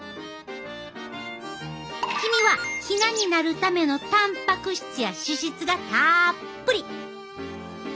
黄身はヒナになるためのたんぱく質や脂質がたっぷり！